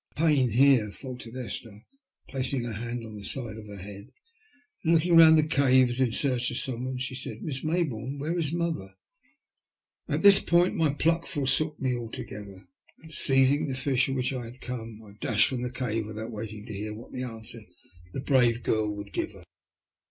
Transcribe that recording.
" A pain here," faltered Esther, placing her hand on the side of her head. Then looking round the cave as if in search of someone, she said, ''Miss May bourne, where is mother ?" At this point my pluck forsook me altogether, and seizing the fish for which I had come, I dashed from the cave without waiting to hear what answer the brave girl would give her.